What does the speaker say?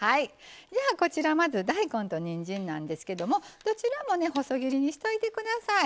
こちらまず大根とにんじんなんですけどもどちらも細切りにしといてください。